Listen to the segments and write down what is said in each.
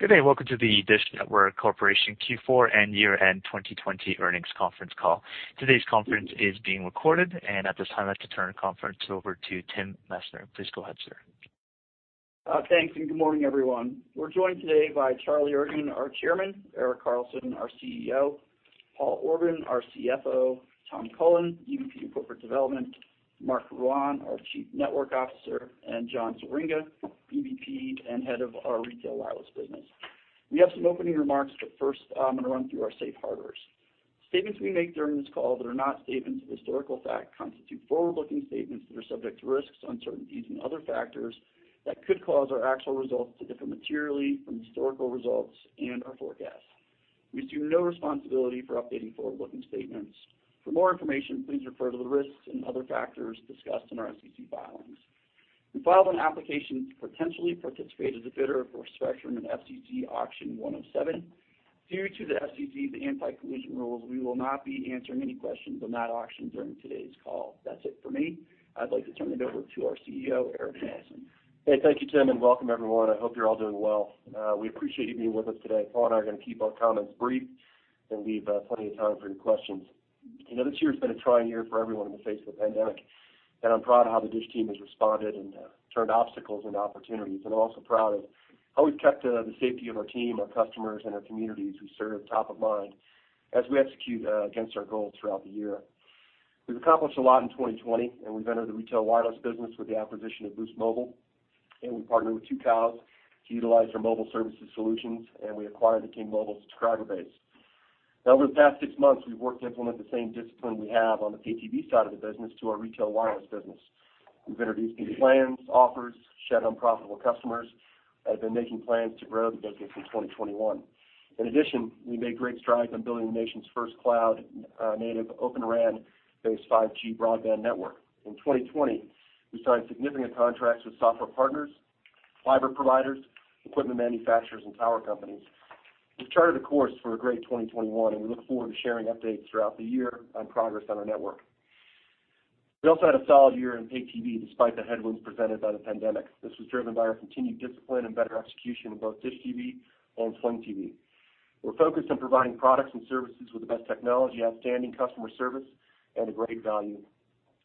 Good day. Welcome to the DISH Network Corporation Q4 and Year-End 2020 Earnings Conference Call. Today's conference is being recorded. At this time, I'd like to turn the conference over to Tim Messner. Please go ahead, sir. Thanks, good morning, everyone. We're joined today by Charlie Ergen, our Chairman; Erik Carlson, our CEO; Paul Orban, our CFO; Tom Cullen, EVP of Corporate Development; Marc Rouanne, our Chief Network Officer; and John Swieringa, EVP and Head of our Retail Wireless business. We have some opening remarks. First, I'm going to run through our safe harbors. Statements we make during this call that are not statements of historical fact constitute forward-looking statements that are subject to risks, uncertainties and other factors that could cause our actual results to differ materially from historical results and/or forecasts. We assume no responsibility for updating forward-looking statements. For more information, please refer to the risks and other factors discussed in our SEC filings. We filed an application to potentially participate as a bidder for spectrum in FCC Auction 107. Due to the FCC's anti-collusion rules, we will not be answering any questions on that auction during today's call. That's it for me. I'd like to turn it over to our CEO, Erik Carlson. Hey, thank you, Tim, and welcome everyone. I hope you're all doing well. We appreciate you being with us today. Paul and I are gonna keep our comments brief and leave plenty of time for any questions. You know, this year's been a trying year for everyone in the face of the pandemic, and I'm proud of how the DISH team has responded and turned obstacles into opportunities. I'm also proud of how we've kept the safety of our team, our customers, and our communities we serve top of mind as we execute against our goals throughout the year. We've accomplished a lot in 2020, and we've entered the Retail Wireless business with the acquisition of Boost Mobile, and we partnered with Tucows to utilize their mobile services solutions, and we acquired the Ting Mobile subscriber base. Now, over the past six months, we've worked to implement the same discipline we have on the Pay TV side of the business to our Retail Wireless business. We've introduced new plans, offers, shed unprofitable customers, been making plans to grow the business in 2021. In addition, we made great strides on building the nation's first cloud-native Open RAN-based 5G broadband network. In 2020, we signed significant contracts with software partners, fiber providers, equipment manufacturers, and tower companies. We've charted a course for a great 2021, and we look forward to sharing updates throughout the year on progress on our network. We also had a solid year in Pay TV, despite the headwinds presented by the pandemic. This was driven by our continued discipline and better execution in both DISH TV and Sling TV. We're focused on providing products and services with the best technology, outstanding customer service, and a great value.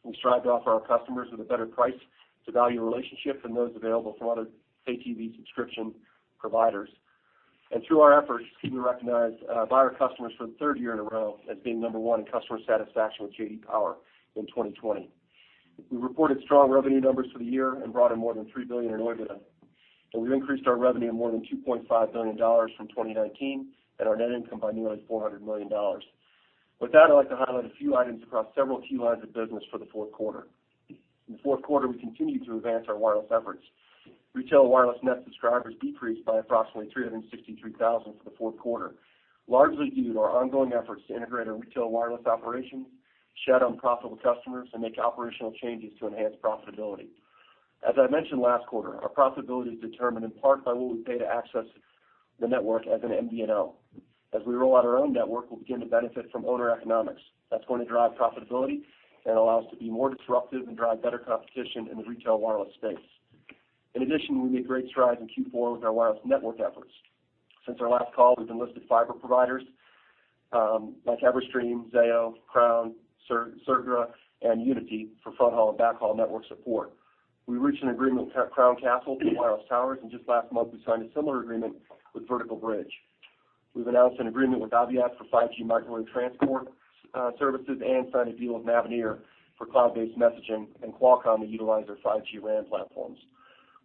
We strive to offer our customers with a better price to value relationship than those available from other Pay TV subscription providers. Through our efforts, we were recognized by our customers for the third year in a row as being number one in customer satisfaction with J.D. Power in 2020. We reported strong revenue numbers for the year and brought in more than $3 billion in OIBDA. We increased our revenue more than $2.5 billion from 2019 and our net income by nearly $400 million. With that, I'd like to highlight a few items across several key lines of business for the fourth quarter. In the fourth quarter, we continued to advance our wireless efforts. Retail Wireless net subscribers decreased by approximately 363,000 for the fourth quarter, largely due to our ongoing efforts to integrate our Retail Wireless operations, shed unprofitable customers, and make operational changes to enhance profitability. As I mentioned last quarter, our profitability is determined in part by what we pay to access the network as an MVNO. As we roll out our own network, we'll begin to benefit from owner economics. That's going to drive profitability and allow us to be more disruptive and drive better competition in the Retail Wireless space. In addition, we made great strides in Q4 with our wireless network efforts. Since our last call, we've enlisted fiber providers, like Everstream, Zayo, Crown, Segra, and Uniti for fronthaul and backhaul network support. We reached an agreement with Crown Castle for wireless towers, and just last month we signed a similar agreement with Vertical Bridge. We've announced an agreement with Aviat for 5G microwave transport services and signed a deal with Mavenir for cloud-based messaging and Qualcomm to utilize their 5G RAN platforms.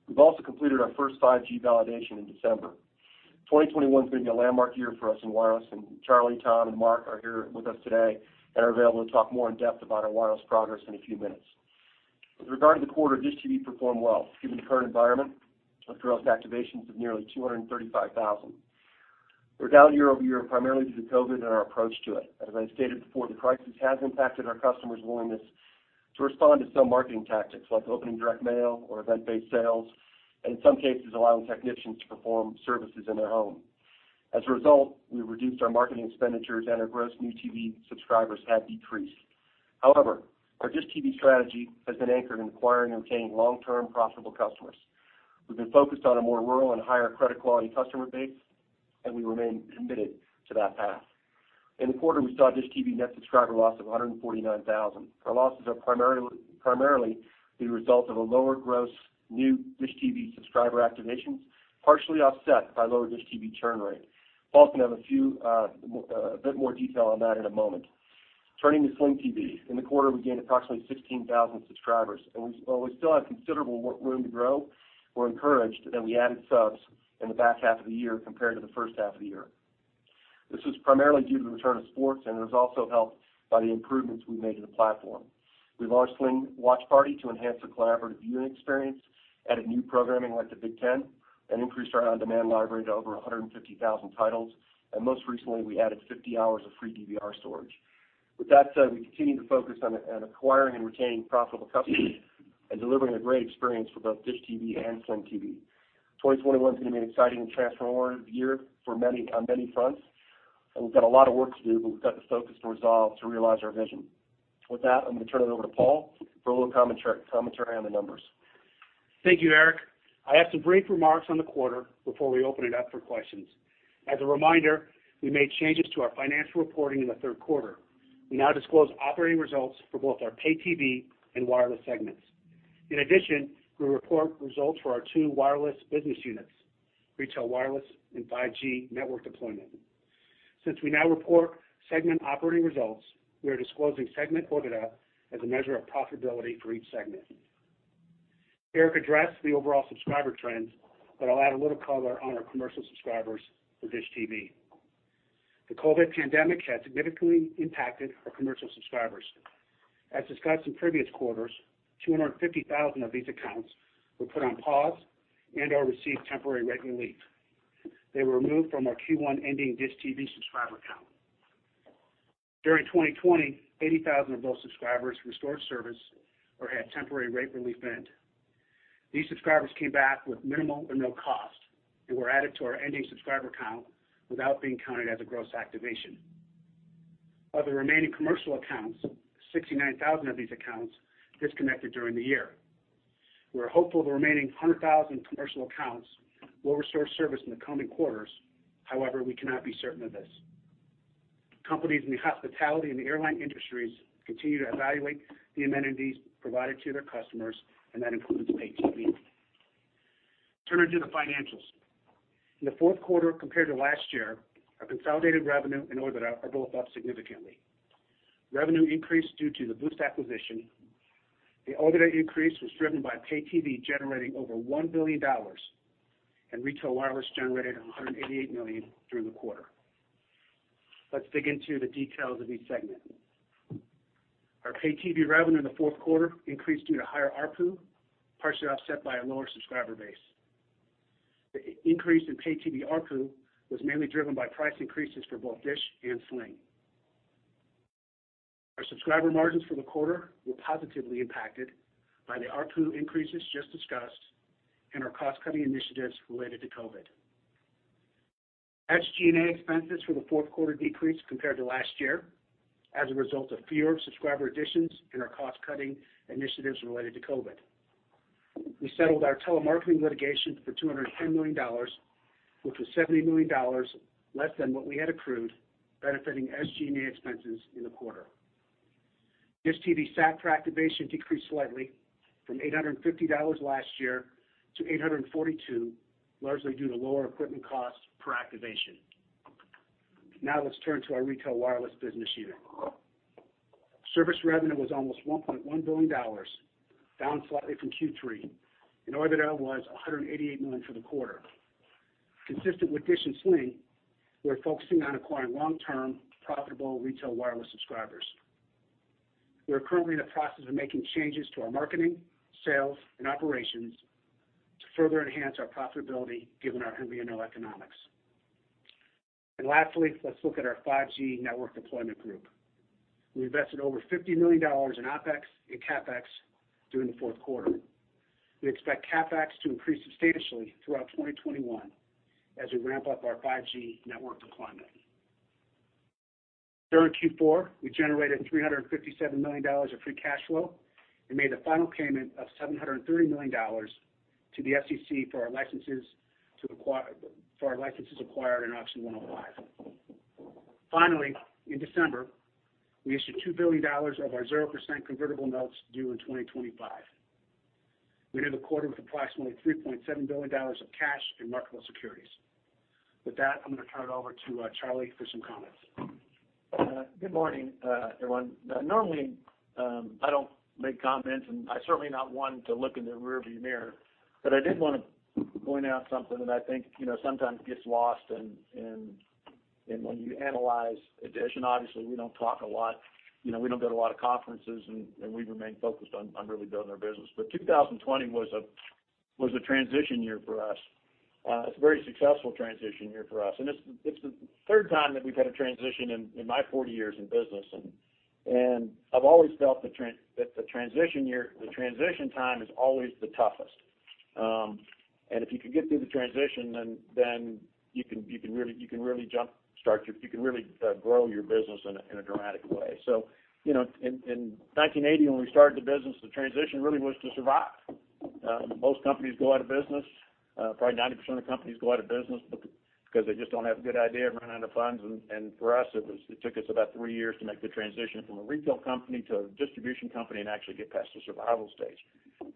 We've also completed our first 5G validation in December. 2021 is gonna be a landmark year for us in wireless, and Charlie, Tom, and Marc are here with us today and are available to talk more in depth about our wireless progress in a few minutes. With regard to the quarter, DISH TV performed well given the current environment with gross activations of nearly 235,000. We're down year-over-year primarily due to COVID and our approach to it. As I stated before, the crisis has impacted our customers' willingness to respond to some marketing tactics, like opening direct mail or event-based sales, and in some cases, allowing technicians to perform services in their home. We've reduced our marketing expenditures and our gross new TV subscribers have decreased. Our DISH TV strategy has been anchored in acquiring and retaining long-term profitable customers. We've been focused on a more rural and higher credit quality customer base, and we remain committed to that path. In the quarter, we saw DISH TV net subscriber loss of 149,000. Our losses are primarily the result of a lower gross new DISH TV subscriber activations, partially offset by lower DISH TV churn rate. Paul's gonna have a few, a bit more detail on that in a moment. Turning to Sling TV. In the quarter, we gained approximately 16,000 subscribers, and while we still have considerable room to grow, we're encouraged that we added subs in the back half of the year compared to the first half of the year. This was primarily due to the return of sports, and it was also helped by the improvements we made to the platform. We launched Sling Watch Party to enhance the collaborative viewing experience, added new programming like the Big Ten, and increased our on-demand library to over 150,000 titles. Most recently, we added 50 hours of free DVR storage. With that said, we continue to focus on acquiring and retaining profitable customers and delivering a great experience for both DISH TV and Sling TV. 2021's gonna be an exciting and transformative year on many fronts. We've got a lot of work to do, but we've got the focus and resolve to realize our vision. With that, I'm gonna turn it over to Paul for a little commentary on the numbers. Thank you, Erik. I have some brief remarks on the quarter before we open it up for questions. As a reminder, we made changes to our financial reporting in the third quarter. We now disclose operating results for both our Pay TV and wireless segments. In addition, we report results for our two wireless business units, Retail Wireless and 5G Network Deployment. Since we now report segment operating results, we are disclosing segment OIBDA as a measure of profitability for each segment. Erik addressed the overall subscriber trends, but I'll add a little color on our commercial subscribers for DISH TV. The COVID pandemic had significantly impacted our commercial subscribers. As discussed in previous quarters, 250,000 of these accounts were put on pause and/or received temporary rate relief. They were removed from our Q1 ending DISH TV subscriber count. During 2020, 80,000 of those subscribers restored service or had temporary rate relief end. These subscribers came back with minimal or no cost and were added to our ending subscriber count without being counted as a gross activation. Of the remaining commercial accounts, 69,000 of these accounts disconnected during the year. We're hopeful the remaining 100,000 commercial accounts will restore service in the coming quarters. We cannot be certain of this. Companies in the hospitality and the airline industries continue to evaluate the amenities provided to their customers, that includes Pay TV. Turning to the financials. In the fourth quarter compared to last year, our consolidated revenue and OIBDA are both up significantly. Revenue increased due to the Boost acquisition. The OIBDA increase was driven by Pay TV generating over $1 billion and Retail Wireless generated $188 million during the quarter. Let's dig into the details of each segment. Our Pay TV revenue in the fourth quarter increased due to higher ARPU, partially offset by a lower subscriber base. The increase in Pay TV ARPU was mainly driven by price increases for both DISH and Sling. Our subscriber margins for the quarter were positively impacted by the ARPU increases just discussed and our cost-cutting initiatives related to COVID. SG&A expenses for the fourth quarter decreased compared to last year as a result of fewer subscriber additions and our cost-cutting initiatives related to COVID. We settled our telemarketing litigation for $210 million, which was $70 million less than what we had accrued, benefiting SG&A expenses in the quarter. DISH TV SAC per activation decreased slightly from $850 last year to $842, largely due to lower equipment costs per activation. Let's turn to our Retail Wireless business unit. Service revenue was almost $1.1 billion, down slightly from Q3, and OIBDA was $188 million for the quarter. Consistent with DISH and Sling, we are focusing on acquiring long-term, profitable Retail Wireless subscribers. We are currently in the process of making changes to our marketing, sales, and operations to further enhance our profitability given our MVNO economics. Lastly, let's look at our 5G Network Deployment group. We invested over $50 million in OpEx and CapEx during the fourth quarter. We expect CapEx to increase substantially throughout 2021 as we ramp up our 5G Network Deployment. During Q4, we generated $357 million of free cash flow and made the final payment of $730 million to the FCC for our licenses acquired in Auction 105. Finally, in December, we issued $2 billion of our 0% convertible notes due in 2025. We ended the quarter with approximately $3.7 billion of cash and marketable securities. With that, I'm gonna turn it over to Charlie for some comments. Good morning, everyone. Normally, I don't make comments, and I'm certainly not one to look in the rearview mirror, but I did wanna point out something that I think, you know, sometimes gets lost in, in when you analyze DISH. Obviously, we don't talk a lot, you know, we don't go to a lot of conferences and we remain focused on really building our business. 2020 was a, was a transition year for us. It's a very successful transition year for us. It's, it's the third time that we've had a transition in my 40 years in business. I've always felt that the transition year, the transition time is always the toughest. If you can get through the transition, then you can really grow your business in a dramatic way. You know, in 1980, when we started the business, the transition really was to survive. Most companies go out of business, probably 90% of companies go out of business because they just don't have a good idea and run out of funds. For us, it took us about three years to make the transition from a retail company to a distribution company and actually get past the survival stage.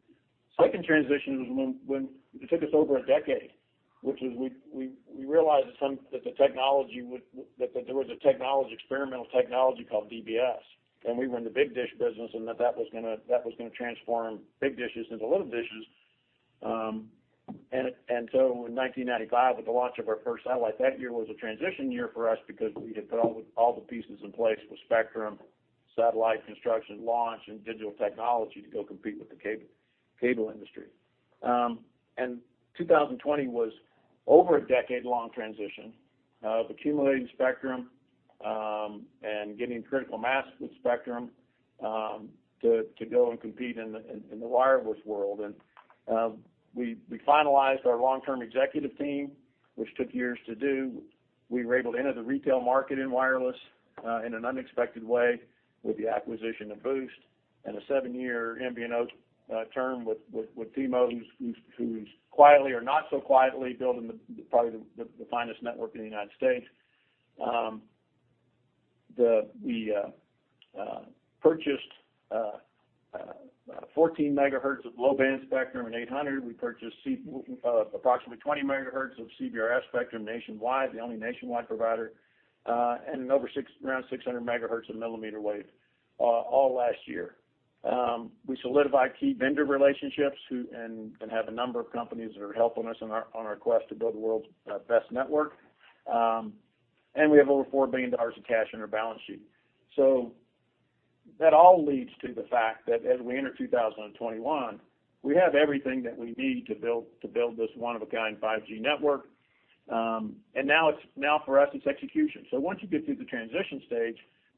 Second transition was when it took us over a decade, which is we realized that there was a technology, experimental technology called DBS, and we were in the big dish business, and that was gonna transform big dishes into little dishes. In 1995, with the launch of our first satellite, that year was a transition year for us because we had put all the pieces in place with spectrum, satellite construction, launch, and digital technology to go compete with the cable industry. 2020 was over a decade-long transition of accumulating spectrum, and getting critical mass with spectrum, to go and compete in the wireless world. We finalized our long-term executive team, which took years to do. We were able to enter the retail market in wireless in an unexpected way with the acquisition of Boost and a 7-year MVNO term with T-Mobile, who's quietly or not so quietly building the, probably the finest network in the United States. We purchased 14 MHz of low-band spectrum in 800. We purchased approximately 20 MHz of CBRS spectrum nationwide, the only nationwide provider, and around 600 MHz of millimeter wave all last year. We solidified key vendor relationships and have a number of companies that are helping us on our quest to build the world's best network. And we have over $4 billion of cash on our balance sheet. That all leads to the fact that as we enter 2021, we have everything that we need to build this one-of-a-kind 5G network. Now for us, it's execution. Once you get through the transition stage,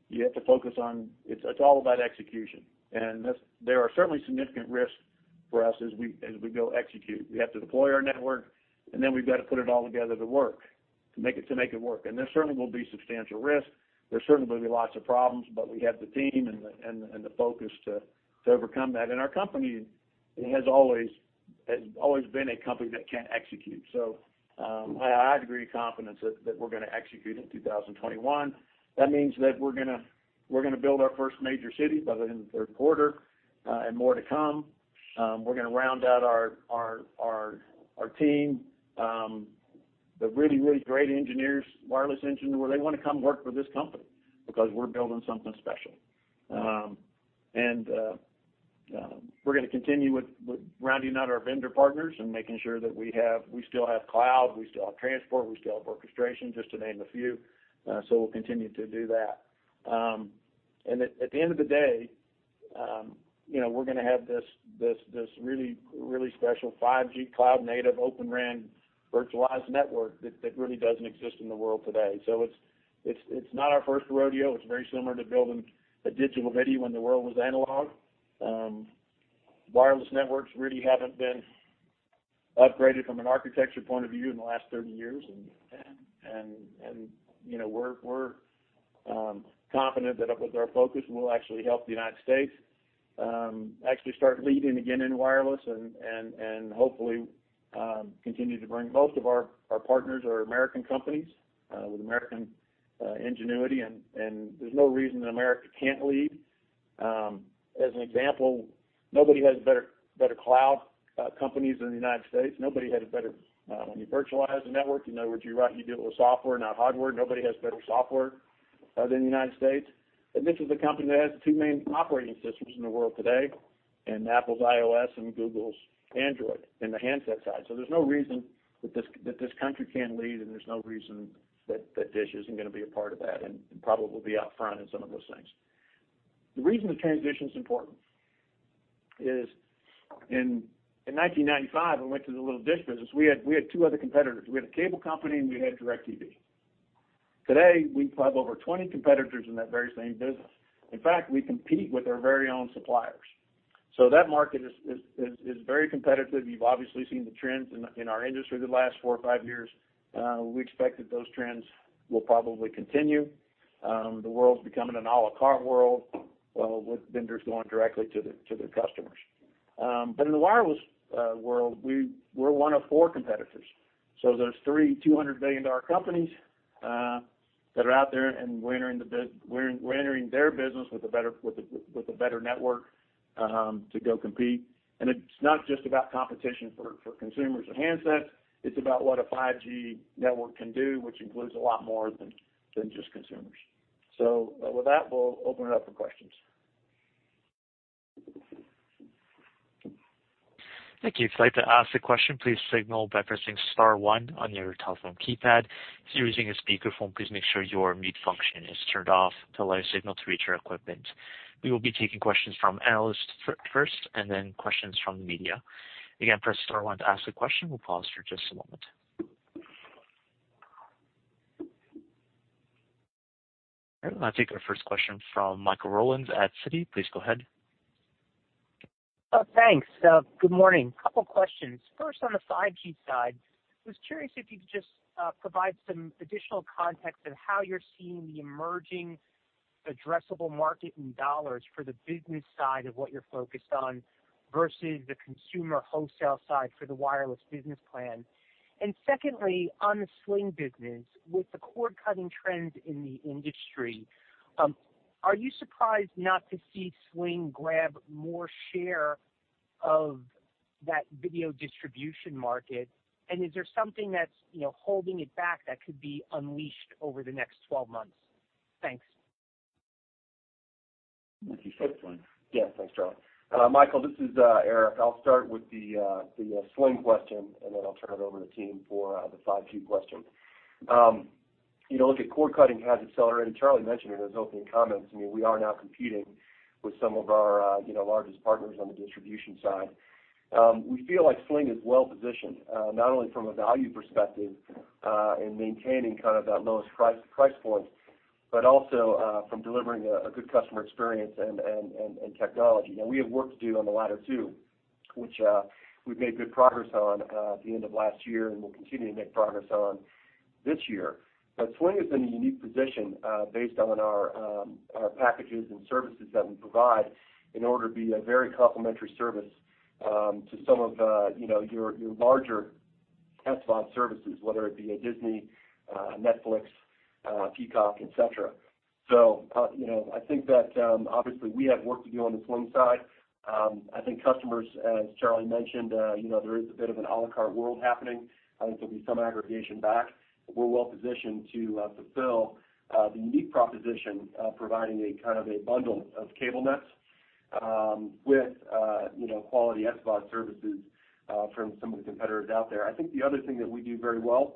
you have to focus on it's all about execution. There are certainly significant risks for us as we go execute. We have to deploy our network, and then we've got to put it all together to work, to make it work. There certainly will be substantial risk. There certainly will be lots of problems, but we have the team and the focus to overcome that. Our company has always been a company that can execute. I have a degree of confidence that we're gonna execute in 2021. That means that we're gonna build our first major city by the end of the third quarter and more to come. We're gonna round out our team, the really great engineers, wireless engineers, where they wanna come work for this company because we're building something special. We're gonna continue with rounding out our vendor partners and making sure that we still have cloud, we still have transport, we still have orchestration, just to name a few. We'll continue to do that. At the end of the day, you know, we're gonna have this really special 5G cloud-native, Open RAN virtualized network that really doesn't exist in the world today. It's not our first rodeo. It's very similar to building a digital video when the world was analog. Wireless networks really haven't been upgraded from an architecture point of view in the last 30 years. You know, we're confident that with our focus, we'll actually help the United States actually start leading again in wireless. Most of our partners are American companies with American ingenuity and there's no reason that America can't lead. As an example, nobody has better cloud companies than the United States. Nobody has a better, when you virtualize a network, in other words, you do it with software, not hardware. Nobody has better software than the United States. This is a company that has the two main operating systems in the world today in Apple's iOS and Google's Android in the handset side. There's no reason that this country can't lead, and there's no reason that DISH isn't gonna be a part of that and probably will be out front in some of those things. The reason the transition is important is in 1995, when we went to the little DISH business, we had two other competitors. We had a cable company, and we had DirecTV. Today, we have over 20 competitors in that very same business. In fact, we compete with our very own suppliers. That market is very competitive. You've obviously seen the trends in our industry the last four or five years. We expect that those trends will probably continue. The world's becoming an a la carte world with vendors going directly to their customers. In the wireless world, we're one of four competitors. There's three $200 billion companies that are out there, and we're entering their business with a better network to go compete. It's not just about competition for consumers or handsets. It's about what a 5G network can do, which includes a lot more than just consumers. With that, we'll open it up for questions. Thank you. If you'd like to ask a question, please signal by pressing star one on your telephone keypad. If you're using a speakerphone, please make sure your mute function is turned off to allow your signal to reach our equipment. We will be taking questions from analysts first and then questions from the media. Again, press star one to ask a question. We'll pause for just a moment. All right, I'll take our first question from Michael Rollins at Citi. Please go ahead. Thanks. Good morning. Couple questions. First, on the 5G side, I was curious if you could just provide some additional context on how you're seeing the emerging addressable market in dollars for the business side of what you're focused on versus the consumer wholesale side for the wireless business plan. Secondly, on the Sling business, with the cord-cutting trends in the industry, are you surprised not to see Sling grab more share of that video distribution market? Is there something that's, you know, holding it back that could be unleashed over the next 12 months? Thanks. Why don't you start with Sling? Thanks, Charlie. Michael, this is Erik. I'll start with the Sling question, and then I'll turn it over to the team for the 5G question. You know, look, cord-cutting has accelerated. Charlie mentioned it in his opening comments. I mean, we are now competing with some of our, you know, largest partners on the distribution side. We feel like Sling is well-positioned, not only from a value perspective, in maintaining kind of that lowest price point. Also, from delivering a good customer experience and technology. Now we have work to do on the latter two, which we've made good progress on at the end of last year, and we'll continue to make progress on this year. Sling is in a unique position, based on our packages and services that we provide in order to be a very complementary service to some of the, you know, your larger SVOD services, whether it be a Disney, Netflix, Peacock, et cetera. You know, I think that obviously we have work to do on the Sling side. I think customers, as Charlie mentioned, you know, there is a bit of an a la carte world happening. I think there'll be some aggregation back, but we're well positioned to fulfill the unique proposition of providing a kind of a bundle of cable nets with, you know, quality SVOD services from some of the competitors out there. I think the other thing that we do very well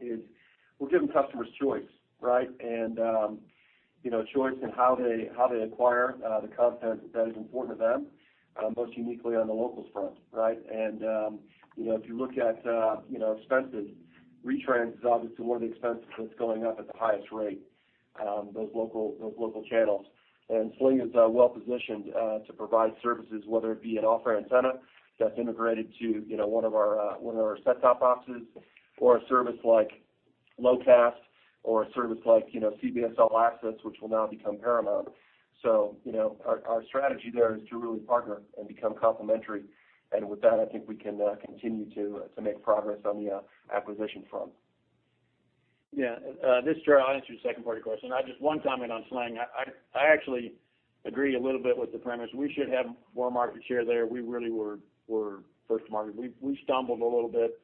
is we're giving customers choice, right? You know, choice in how they, how they acquire the content that is important to them, most uniquely on the locals front, right. You know, if you look at, you know, expenses, retrans is obviously one of the expenses that's going up at the highest rate, those local channels. Sling TV is well positioned to provide services, whether it be an off-air antenna that's integrated to, you know, one of our, one of our set-top boxes, or a service like Locast or a service like, you know, CBS All Access, which will now become Paramount+. You know, our strategy there is to really partner and become complementary. With that, I think we can continue to make progress on the acquisition front. This is Charlie. I'll answer the second part of your question. One comment on Sling. I actually agree a little bit with the premise. We should have more market share there. We really were first to market. We stumbled a little bit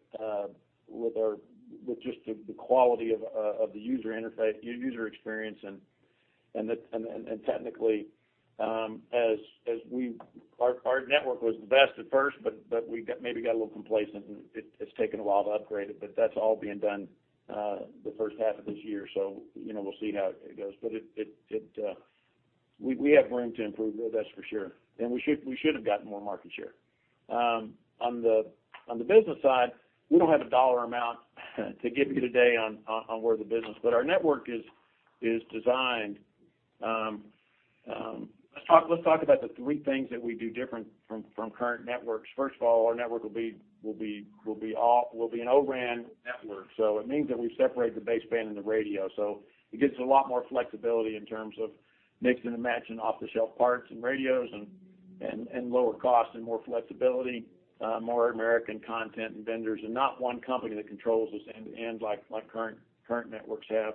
with just the quality of the user interface, user experience and technically, Our network was the best at first, but we got maybe got a little complacent, and it's taken a while to upgrade it. That's all being done the first half of this year, so, you know, we'll see how it goes. We have room to improve there, that's for sure. We should have gotten more market share. On the business side, we don't have a dollar amount to give you today on where the business. Our network is designed. Let's talk about the three things that we do different from current networks. First of all, our network will be an O-RAN network. It means that we separate the baseband and the radio. It gives us a lot more flexibility in terms of mixing and matching off-the-shelf parts and radios and lower cost and more flexibility, more American content and vendors and not one company that controls this end-to-end like current networks have.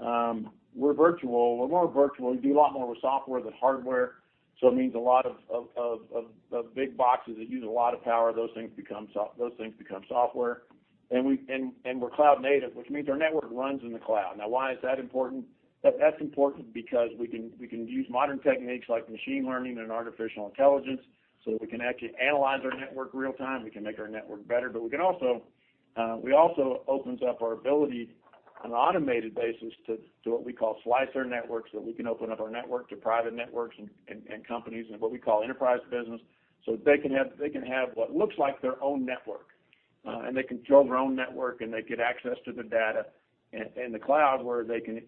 We're virtual. We're more virtual. We do a lot more with software than hardware, so it means a lot of big boxes that use a lot of power, those things become software. We're cloud-native, which means our network runs in the cloud. Why is that important? That's important because we can use modern techniques like machine learning and artificial intelligence, so that we can actually analyze our network real time. We can make our network better. We can also opens up our ability on an automated basis to what we call slice our networks, that we can open up our network to private networks and companies and what we call enterprise business, so they can have what looks like their own network. They control their own network, and they get access to the data in the cloud where they can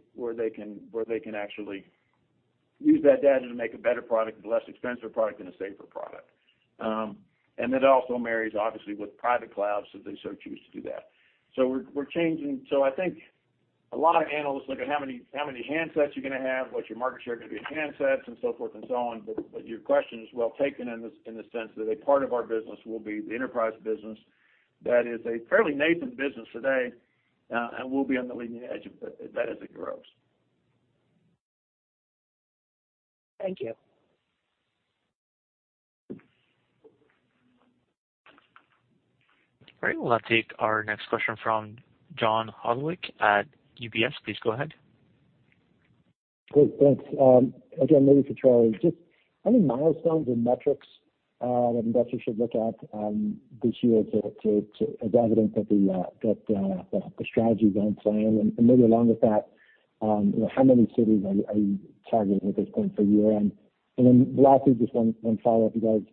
actually use that data to make a better product, a less expensive product, and a safer product. It also marries obviously with private clouds should they so choose to do that. We're changing. I think a lot of analysts look at how many handsets you're gonna have, what's your market share gonna be in handsets and so forth and so on. Your question is well taken in the sense that a part of our business will be the enterprise business that is a fairly nascent business today, and we'll be on the leading edge of that as it grows. Thank you. All right. We'll now take our next question from John Hodulik at UBS. Please go ahead. Great. Thanks. Again, maybe for Charlie, just any milestones or metrics that investors should look at this year as evidence that the strategy's on plan? Maybe along with that, how many cities are you targeting at this point for O-RAN? Lastly, just one follow-up. You guys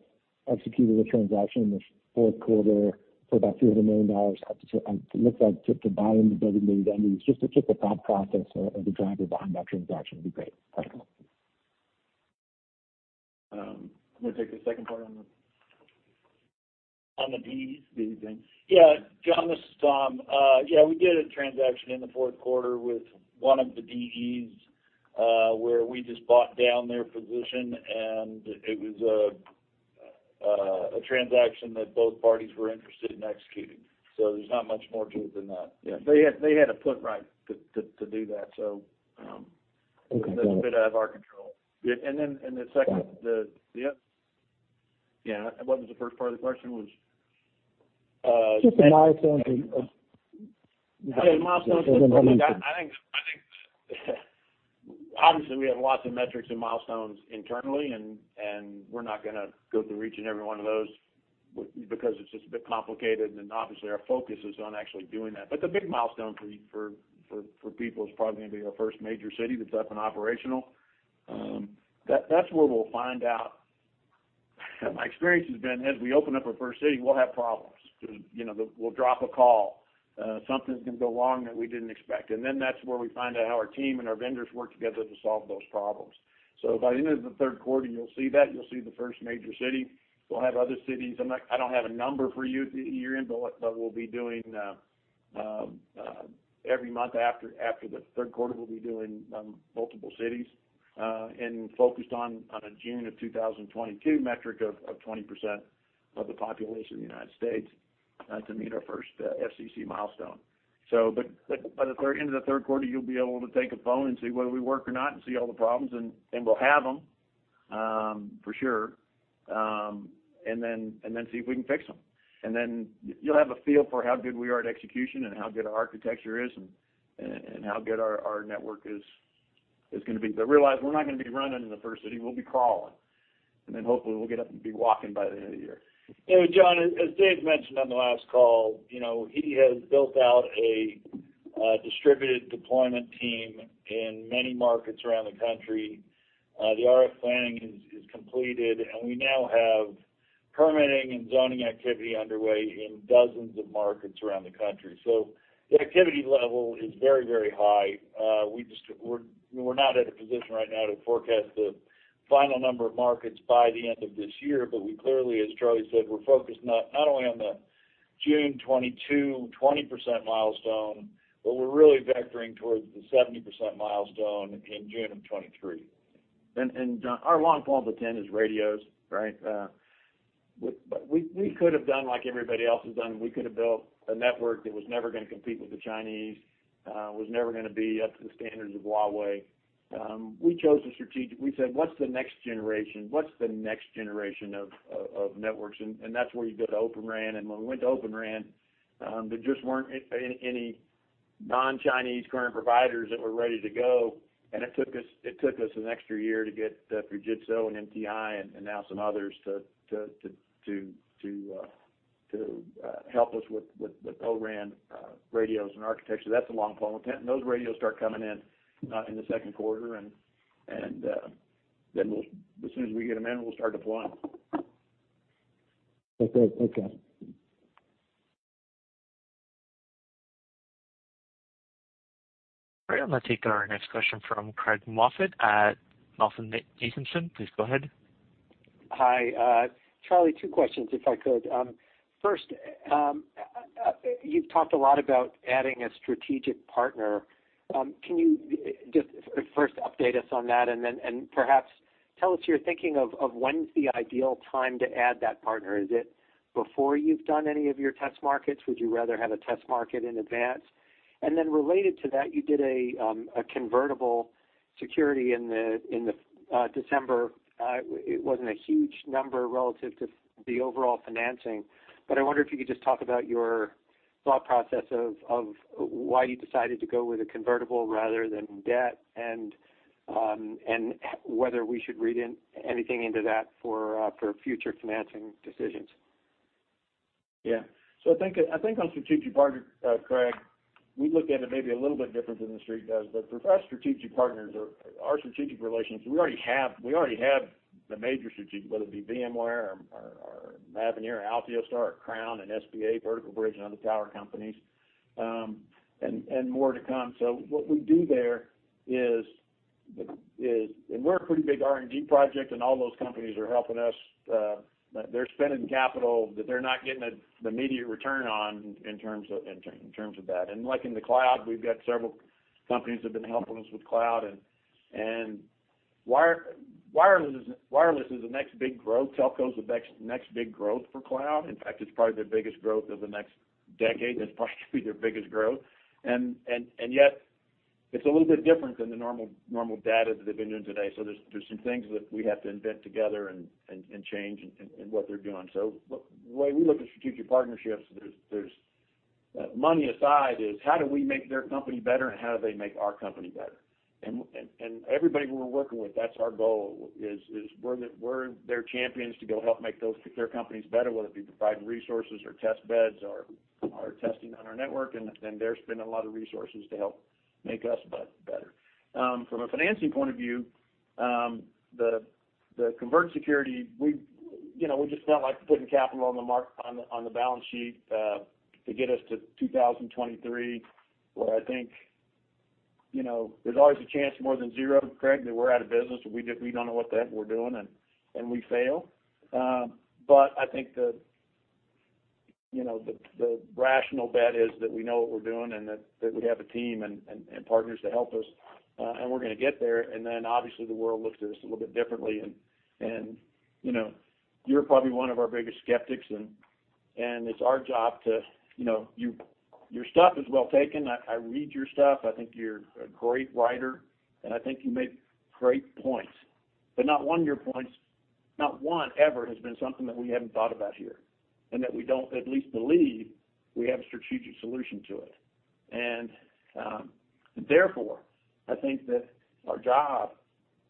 executed a transaction in the fourth quarter for about $300 million. It looks like to buy into Designated Entities. Just the thought process or the driver behind that transaction would be great. Thanks. You want to take the second part. On the DEs? DE thing. Yeah. John, this is Tom. Yeah, we did a transaction in the fourth quarter with one of the DEs, where we just bought down their position, and it was a transaction that both parties were interested in executing. There's not much more to it than that. Yeah. They had a put right to do that. Okay. Got it. That's a bit out of our control. Yeah. Then the second. Yeah. Yeah. What was the first part of the question? Just the milestones and- Yeah, milestones. Just like, I think obviously we have lots of metrics and milestones internally, and we're not gonna go through each and every one of those because it's just a bit complicated, and obviously our focus is on actually doing that. The big milestone for people is probably gonna be our first major city that's up and operational. That's where we'll find out. My experience has been, as we open up our first city, we'll have problems 'cause, you know, we'll drop a call, something's gonna go wrong that we didn't expect. That's where we find out how our team and our vendors work together to solve those problems. By the end of the third quarter, you'll see that. You'll see the first major city. We'll have other cities. I don't have a number for you year end, but we'll be doing every month after the third quarter, we'll be doing multiple cities, focused on a June of 2022 metric of 20% of the population of the United States to meet our first FCC milestone. By the end of the third quarter, you'll be able to take a phone and see whether we work or not and see all the problems and we'll have them for sure, and then see if we can fix them. Then you'll have a feel for how good we are at execution and how good our architecture is and how good our network is going to be. Realize, we're not going to be running in the first city, we'll be crawling. Hopefully we'll get up and be walking by the end of the year. You know, John, as Dave mentioned on the last call, you know, he has built out a distributed deployment team in many markets around the country. The RF planning is completed, we now have permitting and zoning activity underway in dozens of markets around the country. The activity level is very high. We're not at a position right now to forecast the final number of markets by the end of this year, we clearly, as Charlie said, we're focused not only on the June 2022, 20% milestone, we're really vectoring towards the 70% milestone in June 2023. John, our long pole of the tent is radios, right? We could have done like everybody else has done. We could have built a network that was never gonna compete with the Chinese, was never gonna be up to the standards of Huawei. We chose to we said, "What's the next generation? What's the next generation of networks?" That's where you go to Open RAN. When we went to Open RAN, there just weren't any non-Chinese current providers that were ready to go, and it took us, it took us an extra year to get Fujitsu and MTI and now some others to help us with O-RAN radios and architecture. That's the long pole of the tent. Those radios start coming in the second quarter, and then as soon as we get them in, we'll start deploying them. Okay. Thanks, guys. All right, I'm gonna take our next question from Craig Moffett at MoffettNathanson. Please go ahead. Hi. Charlie, two questions, if I could. First, you've talked a lot about adding a strategic partner. Can you just first update us on that, and perhaps tell us your thinking of when's the ideal time to add that partner? Is it before you've done any of your test markets? Would you rather have a test market in advance? Related to that, you did a convertible security in December. It wasn't a huge number relative to the overall financing, but I wonder if you could just talk about your thought process of why you decided to go with a convertible rather than debt and whether we should read anything into that for future financing decisions. Yeah. I think on strategic partner, Craig, we look at it maybe a little bit different than the Street does. For us, strategic partners are our strategic relations. We already have the major strategic, whether it be VMware or Mavenir, Altiostar, Crown, and SBA, Vertical Bridge, and other tower companies, and more to come. What we do there is...and we're a pretty big R&D project, and all those companies are helping us. They're spending capital that they're not getting a, the immediate return on in terms of that. Like in the cloud, we've got several companies that have been helping us with cloud. Wireless is the next big growth, telco's the next big growth for cloud. In fact, it's probably their biggest growth of the next decade. That's probably their biggest growth. Yet it's a little bit different than the normal data that they've been doing today. There's some things that we have to invent together and change in what they're doing. The way we look at strategic partnerships, there's money aside, is how do we make their company better, and how do they make our company better? Everybody we're working with, that's our goal is we're their champions to go help make their companies better, whether it be providing resources or test beds or testing on our network. They're spending a lot of resources to help make us better. From a financing point of view, the convert security, we, you know, we just felt like putting capital on the balance sheet to get us to 2023, where I think, you know, there's always a chance more than zero, Craig, that we're out of business, or we don't know what the heck we're doing and we fail. I think the, you know, the rational bet is that we know what we're doing and that we have a team and partners to help us. We're gonna get there. Then obviously the world looks at us a little bit differently. You know, you're probably one of our biggest skeptics, and it's our job to, you know, your stuff is well taken. I read your stuff. I think you're a great writer, and I think you make great points. Not one of your points, not one ever, has been something that we haven't thought about here, and that we don't at least believe we have a strategic solution to it. Therefore, I think that our job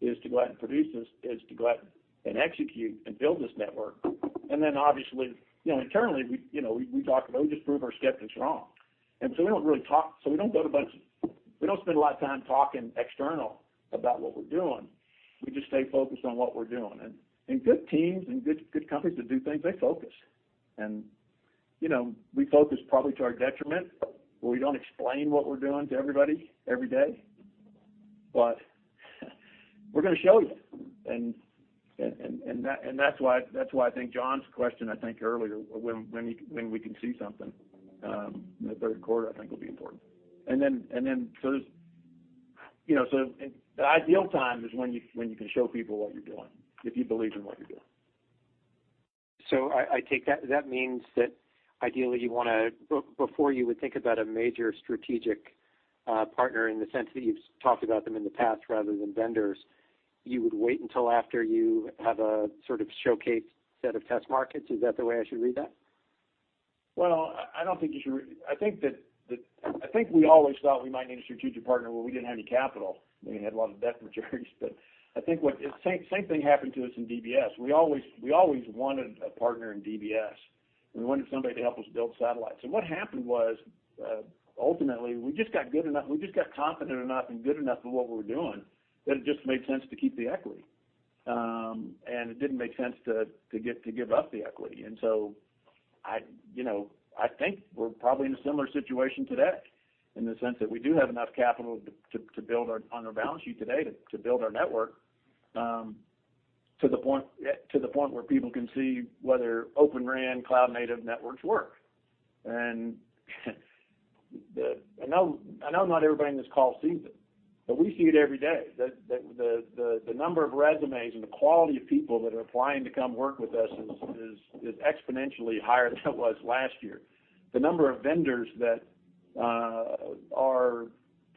is to go out and produce this, is to go out and execute and build this network. Then obviously, internally, we talk about, we just prove our skeptics wrong. We don't spend a lot of time talking external about what we're doing. We just stay focused on what we're doing. Good teams and good companies that do things, they focus. You know, we focus probably to our detriment, where we don't explain what we're doing to everybody every day. We're gonna show you. That's why I think John's question, I think earlier, when we can see something in the third quarter, I think will be important. Then there's, you know, so the ideal time is when you can show people what you're doing, if you believe in what you're doing. I take that means that ideally you wanna before you would think about a major strategic partner in the sense that you've talked about them in the past rather than vendors, you would wait until after you have a sort of showcase set of test markets. Is that the way I should read that? Well, I don't think you should read. I think we always thought we might need a strategic partner when we didn't have any capital. We had a lot of debt maturities. I think the same thing happened to us in DBS. We always wanted a partner in DBS. We wanted somebody to help us build satellites. What happened was, ultimately, we just got good enough, we just got confident enough and good enough with what we were doing that it just made sense to keep the equity. It didn't make sense to give up the equity. I, you know, I think we're probably in a similar situation today in the sense that we do have enough capital to build on our balance sheet today to build our network to the point where people can see whether Open RAN cloud-native networks work. I know not everybody in this call sees it, but we see it every day. The number of resumes and the quality of people that are applying to come work with us is exponentially higher than it was last year. The number of vendors that are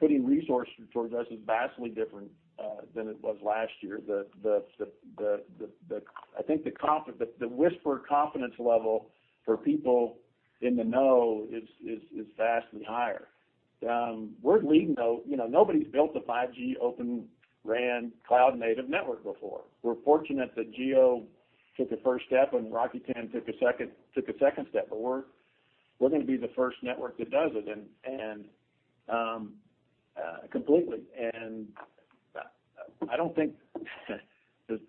putting resources towards us is vastly different than it was last year. The whisper confidence level for people in the know is vastly higher. You know, nobody's built a 5G Open RAN cloud-native network before. We're fortunate that Jio took a first step and Rakuten took a second step, but we're gonna be the first network that does it and completely. I don't think that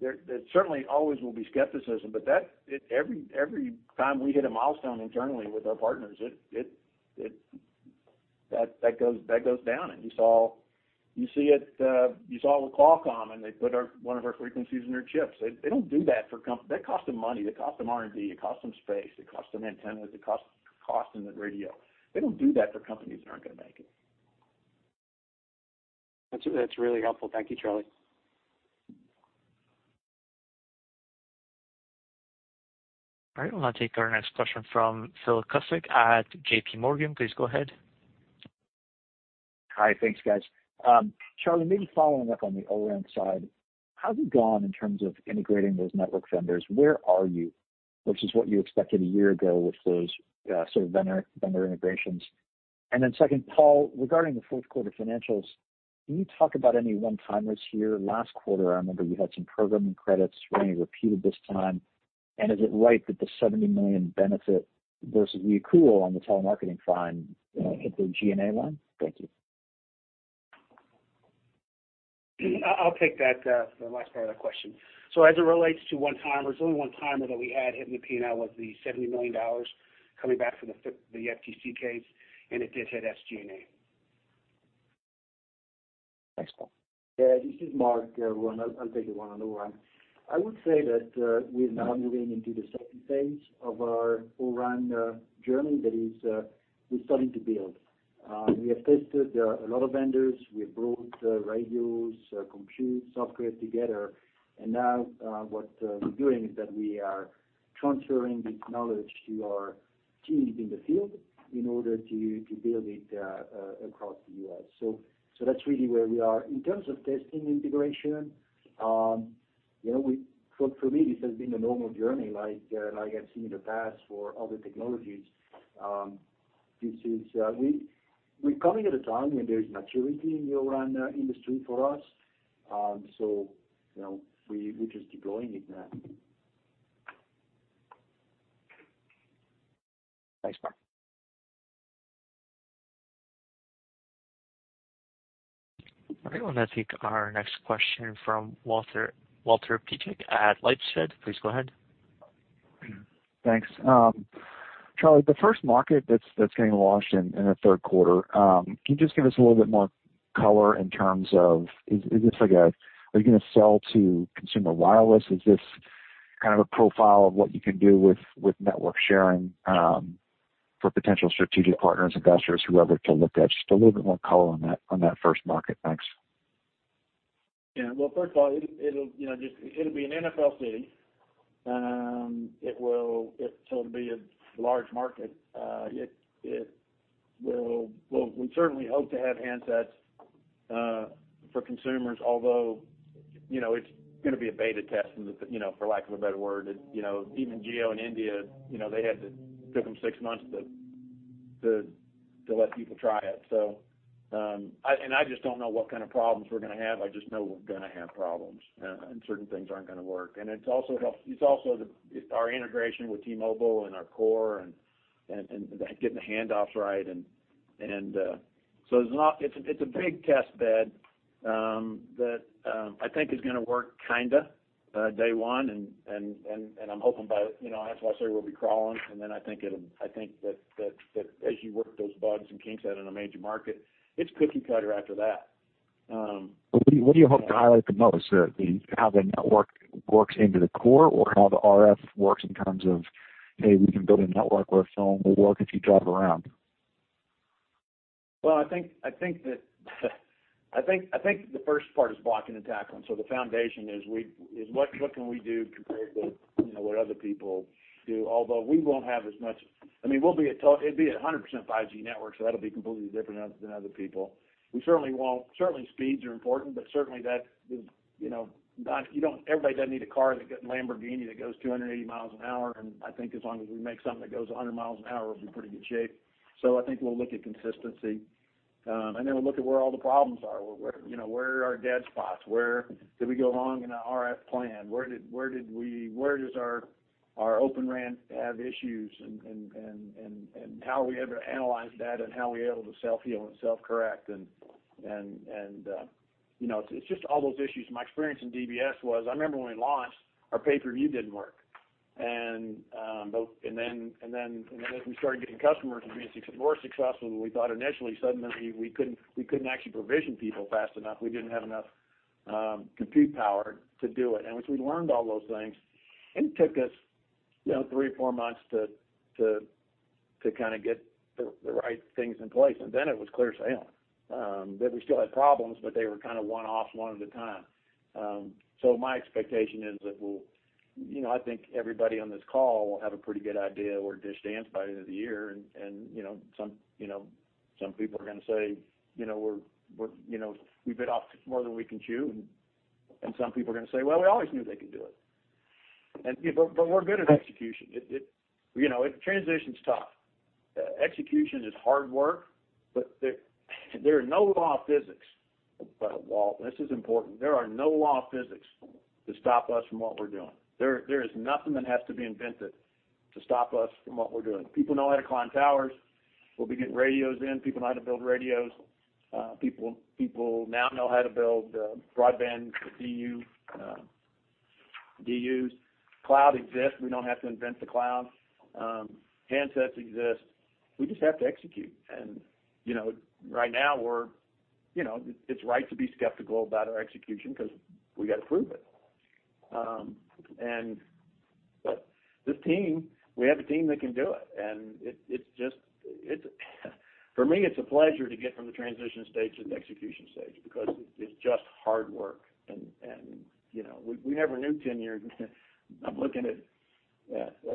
there certainly always will be skepticism, but that's every time we hit a milestone internally with our partners, it goes down. You saw it with Qualcomm, and they put one of our frequencies in their chips. They don't do that for. That cost them money. That cost them R&D. It cost them space. It cost them antennas. It cost them the radio. They don't do that for companies that aren't gonna make it. That's really helpful. Thank you, Charlie. All right, we'll now take our next question from Philip Cusick at JPMorgan. Please go ahead. Hi. Thanks, guys. Charlie, maybe following up on the O-RAN side, how's it gone in terms of integrating those network vendors? Where are you versus what you expected a year ago with those sort of vendor integrations? Second, Paul, regarding the fourth quarter financials, can you talk about any one-timers here? Last quarter, I remember you had some programming credits. Were any repeated this time? Is it right that the $70 million benefit versus reaccrual on the telemarketing fine hit the G&A line? Thank you. I'll take that, the last part of that question. As it relates to one-timers, the only one-timer that we had hit in the P&L was the $70 million coming back from the FTC case, and it did hit SG&A. Thanks, Paul. Yeah, this is Marc, everyone. I'll take the one on O-RAN. I would say that we're now moving into the second phase of our O-RAN journey. That is, we're starting to build. We have tested a lot of vendors. We've brought radios, compute software together. Now, what we're doing is that we are transferring this knowledge to our teams in the field in order to build it across the U.S. That's really where we are. In terms of testing integration, you know, for me, this has been a normal journey like I've seen in the past for other technologies. This is We're coming at a time when there is maturity in the O-RAN industry for us. You know, we're just deploying it now. Thanks, Marc. All right, we'll now take our next question from Walter Piecyk at LightShed. Please go ahead. Thanks. Charlie, the first market that's getting launched in the third quarter, can you just give us a little bit more color in terms of is this like are you gonna sell to consumer wireless? Is this kind of a profile of what you can do with network sharing for potential strategic partners, investors, whoever to look at? Just a little bit more color on that first market. Thanks. Yeah. Well, first of all, it'll, you know, it'll be an NFL city. It'll be a large market. We certainly hope to have handsets for consumers, although, you know, it's gonna be a beta test, you know, for lack of a better word. You know, even Jio in India, you know, took them six months to let people try it. I just don't know what kind of problems we're gonna have. I just know we're gonna have problems, and certain things aren't gonna work. It's also the, our integration with T-Mobile and our core and getting the handoffs right, and it's not. It's a big test bed that I think is gonna work kinda day one. I'm hoping by, you know, that's why I say we'll be crawling, and then I think that as you work those bugs and kinks out in a major market, it's cookie cutter after that. What do you hope to highlight the most? How the network works into the core or how the RF works in terms of, hey, we can build a network where a phone will work if you drive around? I think the first part is blocking and tackling. The foundation is what can we do compared to, you know, what other people do? Although we won't have as much I mean, we'll be a 100% 5G network, that'll be completely different than other people. We certainly speeds are important, but certainly that is, you know, not everybody doesn't need a car that Lamborghini that goes 280 mph, I think as long as we make something that goes 100 mph, we'll be in pretty good shape. I think we'll look at consistency. We'll look at where all the problems are. Where, you know, where are our dead spots? Where did we go wrong in our RF plan? Where does our Open RAN have issues? How are we able to analyze that, and how are we able to self-heal and self-correct? You know, it's just all those issues. My experience in DBS was, I remember when we launched, our pay-per-view didn't work. Then as we started getting customers and being more successful than we thought initially, suddenly we couldn't actually provision people fast enough. We didn't have enough compute power to do it. Once we learned all those things, and it took us, you know, three or four months to kind of get the right things in place, then it was clear sailing. We still had problems, but they were kinda one-off, one at a time. My expectation is that we'll, you know, I think everybody on this call will have a pretty good idea where DISH stands by the end of the year and, you know, some people are gonna say, you know, we're, you know, we bit off more than we can chew, and some people are gonna say, "Well, we always knew they could do it." You know, but we're good at execution. It, you know, transition's tough. Execution is hard work, but there are no law of physics, Walt, and this is important, there are no law of physics to stop us from what we're doing. There is nothing that has to be invented to stop us from what we're doing. People know how to climb towers. We'll be getting radios in. People know how to build radios. People now know how to build broadband DU, DUs. Cloud exists. We don't have to invent the cloud. Handsets exist. We just have to execute. You know, right now we're, you know, it's right to be skeptical about our execution because we gotta prove it. This team, we have a team that can do it, and it's just For me, it's a pleasure to get from the transition stage to the execution stage because it's just hard work. You know, we never knew 10 years. I'm looking at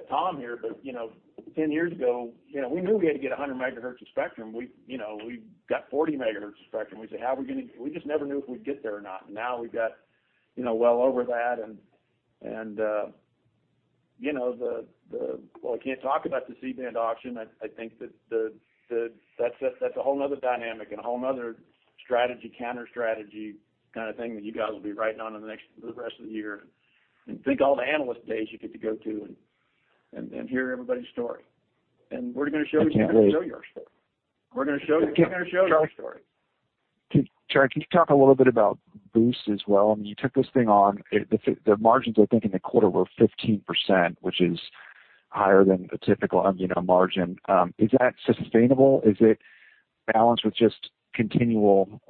Tom here, but, you know, 10 years ago, you know, we knew we had to get 100 MHz of spectrum. We, you know, we got 40 MHz of spectrum. We said, We just never knew if we'd get there or not. Now we've got, you know, well over that. You know, the... Well I can't talk about the C-band auction. I think that the, that's a whole another dynamic and a whole another strategy, counter-strategy kind of thing that you guys will be writing on in the next, the rest of the year. Think of all the analyst days you get to go to and hear everybody's story. We're gonna show you- I can't wait. We're going to show you our story. Can- We're gonna show you our story. Charlie, can you talk a little bit about Boost Mobile as well? I mean, you took this thing on. The margins I think in the quarter were 15%, which is higher than the typical MVNO margin. Is that sustainable? Is it balanced with just continual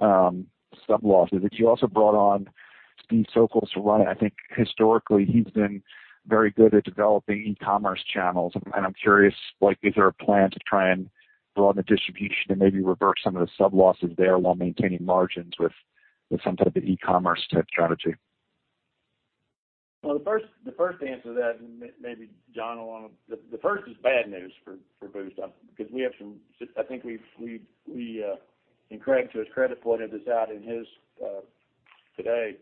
sub-losses? You also brought on Stephen Stokols to run it. I think historically, he's been very good at developing e-commerce channels. I'm curious, like, is there a plan to try and broaden the distribution and maybe reverse some of the sub-losses there while maintaining margins with some type of e-commerce type strategy? The first answer to that, maybe John will wanna. The first is bad news for Boost, because I think we've, and Craig, to his credit, pointed this out in his today,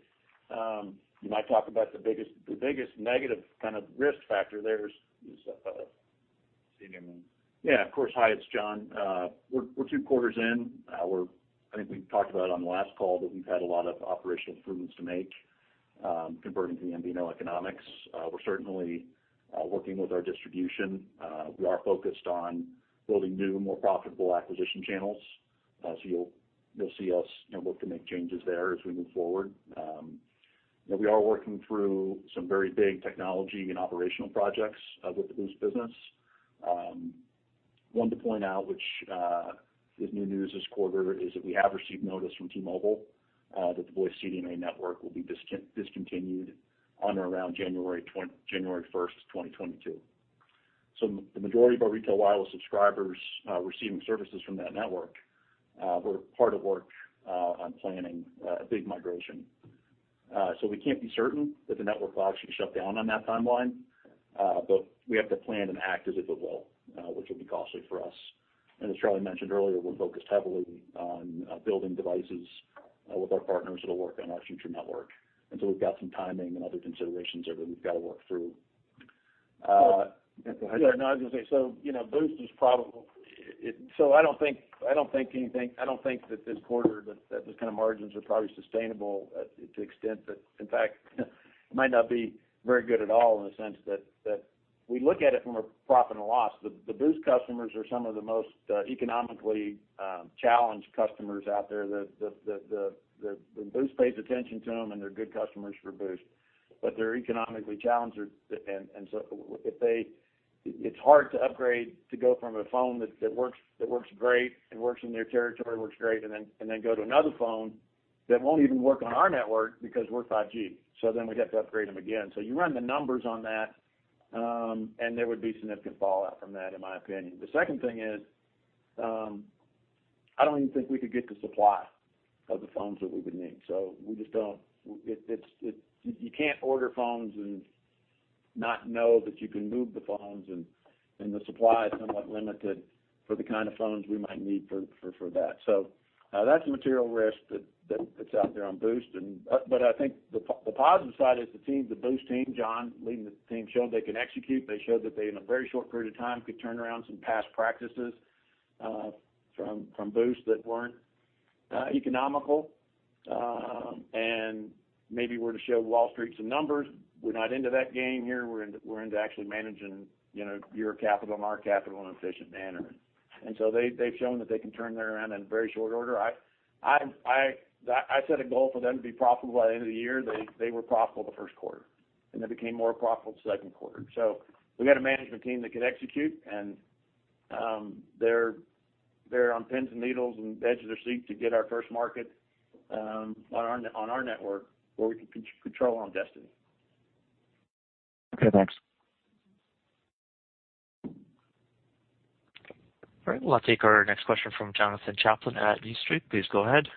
when I talked about the biggest negative kind of risk factor there is. See a new one. Yeah, of course. Hi, it's John. We're two quarters in. I think we talked about on the last call that we've had a lot of operational improvements to make, converting to the MVNO economics. We're certainly working with our distribution. We are focused on building new, more profitable acquisition channels. You'll see us, you know, work to make changes there as we move forward. You know, we are working through some very big technology and operational projects with the Boost business. One to point out, which is new news this quarter, is that we have received notice from T-Mobile that the voice CDMA network will be discontinued on or around January 1st, 2022. The majority of our Retail Wireless subscribers, receiving services from that network, we're hard at work on planning a big migration. We can't be certain that the network will actually shut down on that timeline, we have to plan and act as if it will, which will be costly for us. As Charlie mentioned earlier, we're focused heavily on building devices with our partners that'll work on our future network. We've got some timing and other considerations there that we've gotta work through. Yeah. Go ahead. Yeah, no, I was gonna say, you know, Boost is. I don't think that this quarter that these kind of margins are probably sustainable, to extent that, in fact, it might not be very good at all in the sense that we look at it from a profit and loss. The Boost customers are some of the most economically challenged customers out there that the Boost pays attention to them, and they're good customers for Boost, but they're economically challenged. It's hard to upgrade to go from a phone that works, that works great and works in their territory, works great, and then go to another phone that won't even work on our network because we're 5G. We'd have to upgrade them again. You run the numbers on that, and there would be significant fallout from that, in my opinion. The second thing is, I don't even think we could get the supply of the phones that we would need. You can't order phones and not know that you can move the phones, and the supply is somewhat limited for the kind of phones we might need for that. That's a material risk that's out there on Boost. I think the positive side is the team, the Boost team, John leading the team, showed they can execute. They showed that they, in a very short period of time, could turn around some past practices from Boost that weren't economical. Maybe we were to show Wall Street some numbers. We're not into that game here. We're into actually managing, you know, your capital and our capital in an efficient manner. They've shown that they can turn that around in very short order. I set a goal for them to be profitable by the end of the year. They were profitable the first quarter, and they became more profitable the second quarter. We got a management team that can execute, and they're on pins and needles and edge of their seat to get our first market on our network, where we can control our own destiny. Okay, thanks. All right. Well, I'll take our next question from Jonathan Chaplin at New Street Research. Please go ahead.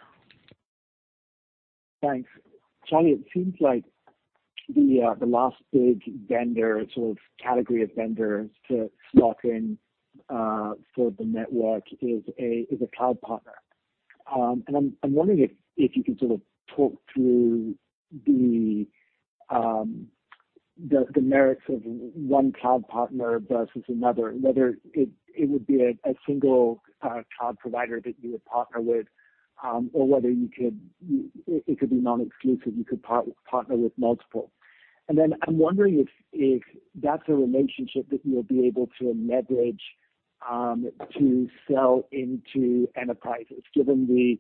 Thanks, Charlie. It seems like the last big vendor, sort of category of vendors to slot in for the network is a cloud partner. I'm wondering if you could sort of talk through the merits of one cloud partner versus another, whether it would be a single cloud provider that you would partner with, or whether it could be non-exclusive, you could partner with multiple. I'm wondering if that's a relationship that you'll be able to leverage to sell into enterprises, given the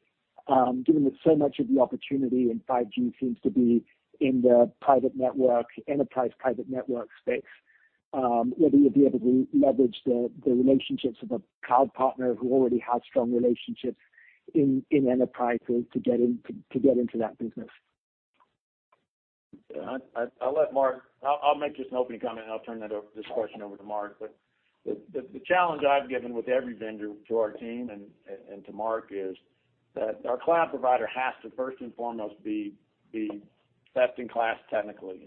given that so much of the opportunity in 5G seems to be in the private network, enterprise private network space, whether you'll be able to leverage the relationships with a cloud partner who already has strong relationships in enterprise to get into that business. Yeah. I'll let Marc, I'll make just an opening comment, and I'll turn this question over to Marc. The challenge I've given with every vendor to our team and to Marc is that our cloud provider has to first and foremost be best in class technically.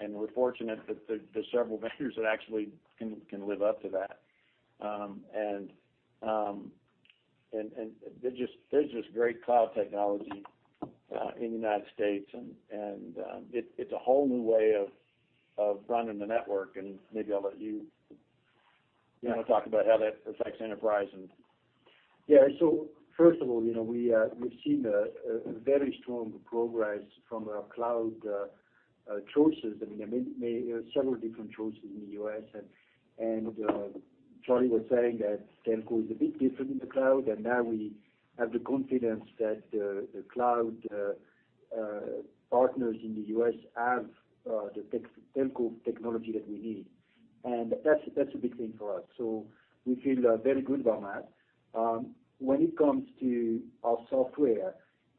We're fortunate that there are several vendors that actually can live up to that. And there's just great cloud technology in the United States and it's a whole new way of running the network. Maybe I'll let you. Yeah. You know, talk about how that affects enterprise and. First of all, you know, we've seen a very strong progress from our cloud choices. I mean, several different choices in the U.S. Charlie was saying that telco is a bit different in the cloud, and now we have the confidence that the cloud partners in the U.S. have the tech-telco technology that we need. That's, that's a big thing for us. We feel very good about that. When it comes to our software,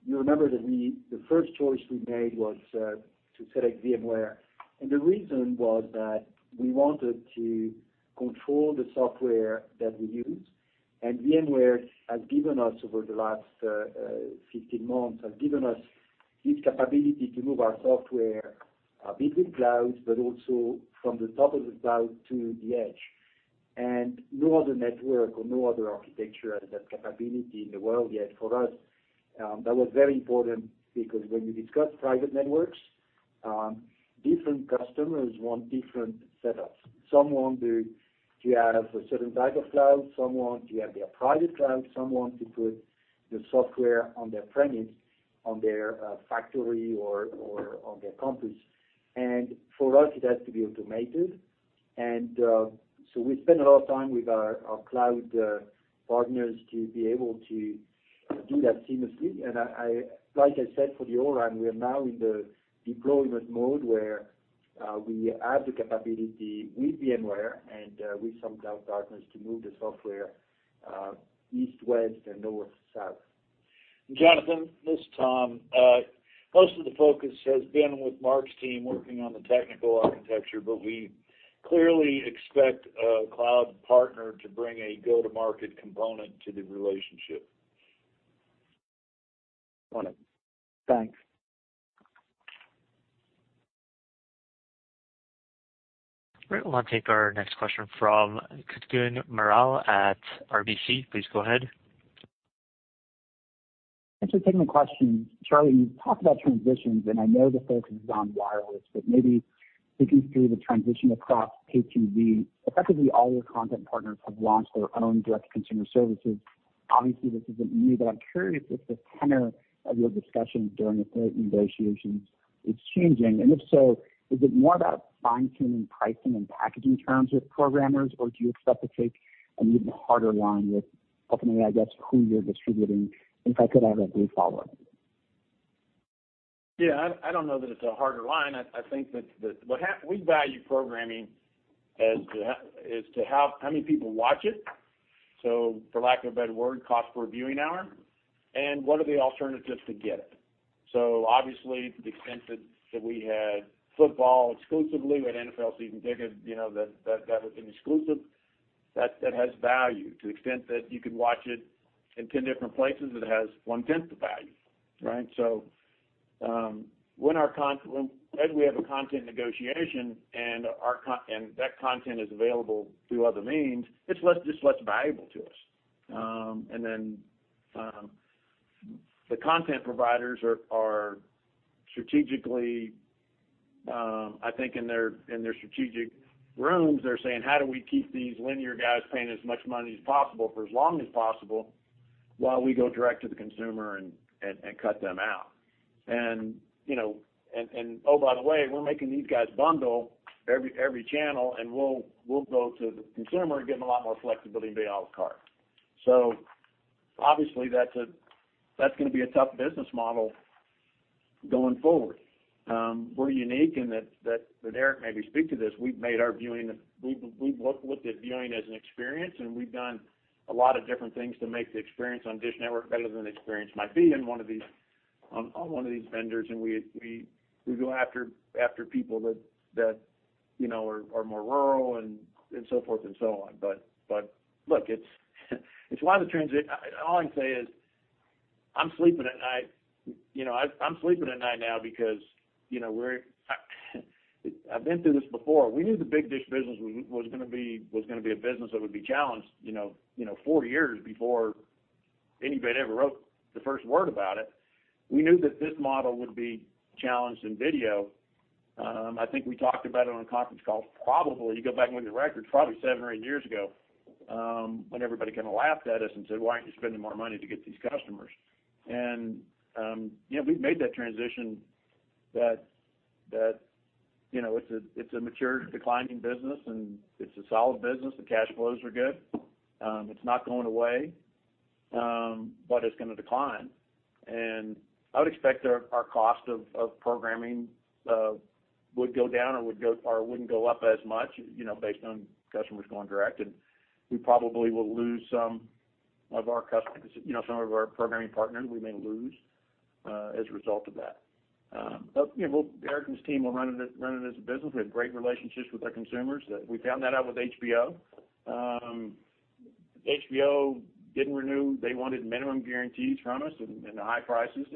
you remember that the first choice we made was to select VMware. The reason was that we wanted to control the software that we use. VMware has given us, over the last 15 months, has given us this capability to move our software between clouds, but also from the top of the cloud to the edge. No other network or no other architecture has that capability in the world yet. For us, that was very important because when you discuss private networks, different customers want different setups. Some want to have a certain type of cloud. Some want to have their private cloud. Some want to put the software on their premise, on their factory or on their campus. For us, it has to be automated. We spend a lot of time with our cloud partners to be able to do that seamlessly. Like I said, for the O-RAN, we are now in the deployment mode, where we have the capability with VMware and with some cloud partners to move the software east, west, and north, south. Jonathan, this is Tom. Most of the focus has been with Marc's team working on the technical architecture, but we clearly expect a cloud partner to bring a go-to-market component to the relationship. Wonderful. Thanks. Great. We'll now take our next question from Kutgun Maral at RBC. Please go ahead. Thanks for taking the question. Charlie, you talk about transitions, and I know the focus is on wireless, but maybe thinking through the transition across Pay TV, effectively all your content partners have launched their own direct-to-consumer services. This isn't new, but I'm curious if the tenor of your discussions during the current negotiations is changing. If so, is it more about fine-tuning pricing and packaging terms with programmers, or do you expect to take an even harder line with ultimately, I guess, who you're distributing? If I could have a brief follow-up. Yeah, I don't know that it's a harder line. I think that what we value programming as to how many people watch it, so for lack of a better word, cost per viewing hour, and what are the alternatives to get it. Obviously, to the extent that we had football exclusively with NFL Sunday Ticket, you know, that was an exclusive, that has value. To the extent that you can watch it in 10 different places, it has one-tenth the value, right? When we have a content negotiation and that content is available through other means, it's just less valuable to us. The content providers are strategically, I think in their strategic rooms, they're saying, "How do we keep these linear guys paying as much money as possible for as long as possible while we go direct to the consumer and cut them out?" You know, oh, by the way, we're making these guys bundle every channel, and we'll go to the consumer and give them a lot more flexibility and be a la carte. Obviously, that's gonna be a tough business model going forward. We're unique in that Erik may speak to this, we've looked at viewing as an experience, and we've done a lot of different things to make the experience on DISH Network better than the experience might be in one of these, on one of these vendors. We go after people that, you know, are more rural and so forth and so on. Look. All I can say is I'm sleeping at night. You know, I'm sleeping at night now because, you know, I've been through this before. We knew the big DISH business was gonna be a business that would be challenged, you know, four years before anybody ever wrote the first word about it. We knew that this model would be challenged in video. I think we talked about it on a conference call, probably, you go back and look at the records, probably seven or eight years ago, when everybody kind of laughed at us and said, "Why aren't you spending more money to get these customers?" You know, we've made that transition that, you know, it's a mature declining business, and it's a solid business. The cash flows are good. It's not going away, it's gonna decline. I would expect our cost of programming wouldn't go up as much, you know, based on customers going direct. We probably will lose some of our customers. You know, some of our programming partners we may lose as a result of that. You know, Erik and his team are running it, running it as a business. We have great relationships with our consumers. We found that out with HBO. HBO didn't renew. They wanted minimum guarantees from us and high prices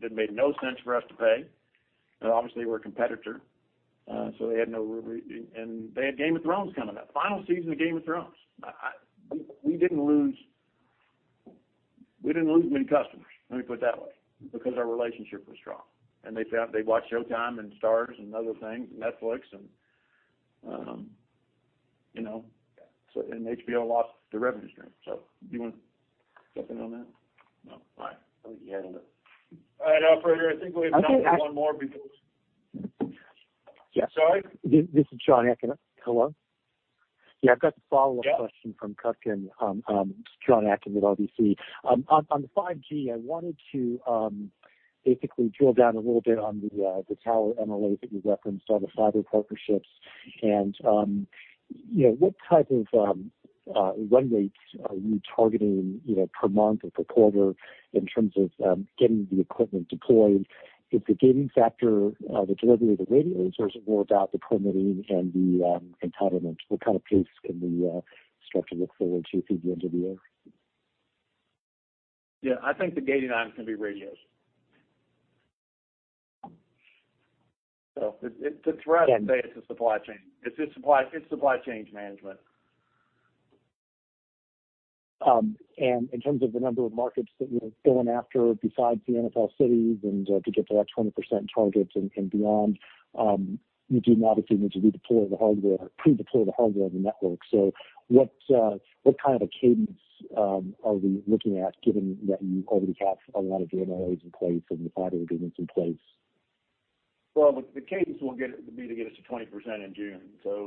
that made no sense for us to pay. Obviously, we're a competitor, so and they had Game of Thrones coming up, final season of Game of Thrones. We didn't lose many customers, let me put it that way, because our relationship was strong. They watched Showtime and Starz and other things, Netflix, and, you know. HBO lost a revenue stream. Do you want to jump in on that? No, I'm fine. I think you handled it. All right. Operator, I think we have time for one more before. Okay. Sorry? This is Jon Atkin. Hello? I've got a follow-up question from Kutgun. Jon Atkin with RBC. On the 5G, I wanted to basically drill down a little bit on the tower MLA that you referenced on the fiber partnerships. You know, what type of run rates are you targeting, you know, per month or per quarter in terms of getting the equipment deployed? Is the gating factor the delivery of the radios, or is it more about the permitting and the entitlement? What kind of pace can we start to look forward to through the end of the year? Yeah, I think the gating item's gonna be radios. The threat, I'd say, it's the supply chain. It's supply chains management. In terms of the number of markets that you're going after besides the NFL cities to get to that 20% target and beyond, you do obviously need to redeploy the hardware, pre-deploy the hardware on the network. What kind of a cadence are we looking at given that you already have a lot of MOAs in place and the fiber agreements in place? The cadence will be to get us to 20% in June.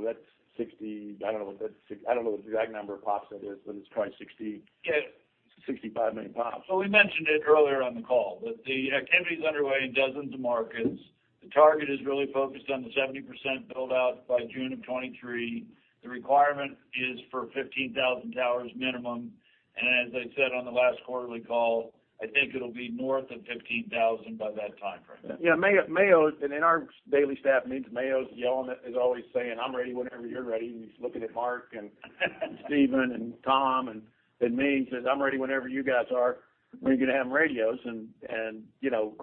That's 60, I don't know what the exact number of POPs that is, but it's probably 60 million POPs-65 million POPs. We mentioned it earlier on the call, but the activity is underway in dozens of markets. The target is really focused on the 70% build-out by June of 2023. The requirement is for 15,000 towers minimum. As I said on the last quarterly call, I think it'll be north of 15,000 by that timeframe. Yeah, Mayo's and in our daily staff meetings, Mayo's yelling at, is always saying, "I'm ready whenever you're ready." He's looking at Marc and Stephen and Tom and, at me and says, "I'm ready whenever you guys are. We're gonna have radios." You know,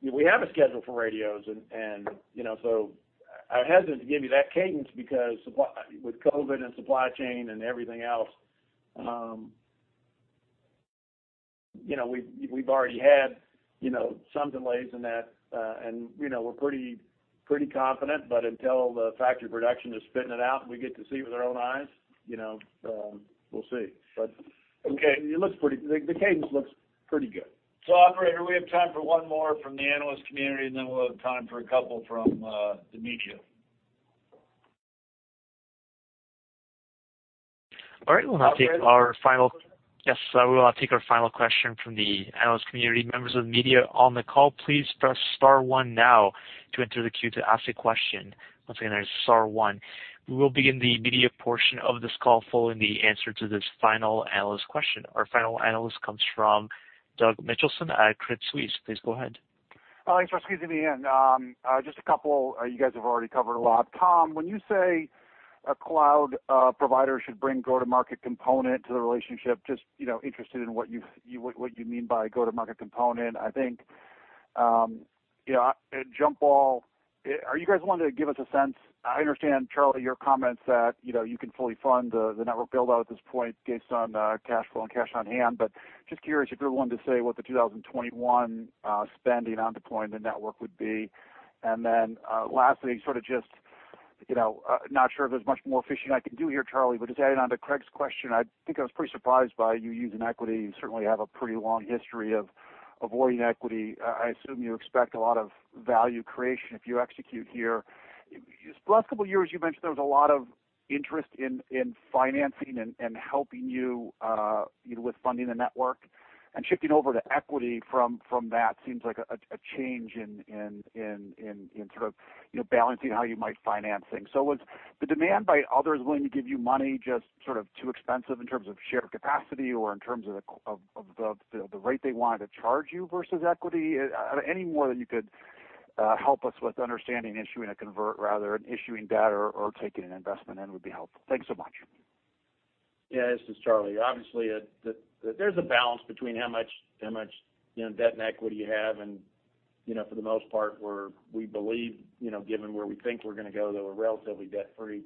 we have a schedule for radios and, you know, so I hesitate to give you that cadence because with COVID and supply chain and everything else, you know, we've already had, you know, some delays in that. You know, we're pretty confident, but until the factory production is spitting it out, and we get to see with our own eyes, you know, we'll see. Okay. The cadence looks pretty good. Operator, we have time for one more from the analyst community, and then we'll have time for a couple from the media. All right. We'll now take our final question from the analyst community. Members of the media on the call, please press star one now to enter the queue to ask a question. Once again, that's star one. We will begin the media portion of this call following the answer to this final analyst question. Our final analyst comes from Douglas Mitchelson at Credit Suisse. Please go ahead. Thanks for squeezing me in. Just a couple, you guys have already covered a lot. Tom, when you say a cloud provider should bring go-to-market component to the relationship, just, you know, interested in what you mean by go-to-market component. I think, you know, at jump ball, are you guys wanting to give us a sense? I understand, Charlie, your comments that, you know, you can fully fund the network build out at this point based on cash flow and cash on hand, but just curious if you're willing to say what the 2021 spending on deploying the network would be. Lastly, sort of just, you know, not sure if there's much more fishing I can do here, Charlie, but just adding on to Craig's question, I think I was pretty surprised by you using equity. You certainly have a pretty long history of avoiding equity. I assume you expect a lot of value creation if you execute here. Yes, the last couple years you mentioned there was a lot of interest in financing and helping you know, with funding the network, and shifting over to equity from that seems like a change in sort of, you know, balancing how you might finance things. Was the demand by others willing to give you money just sort of too expensive in terms of shared capacity or in terms of the rate they wanted to charge you versus equity? Any more that you could help us with understanding issuing a convert rather than issuing debt or taking an investment in would be helpful. Thanks so much. Yeah, this is Charlie. Obviously, there's a balance between how much, you know, debt and equity you have, and, you know, for the most part, we believe, you know, given where we think we're gonna go, that we're relatively debt-free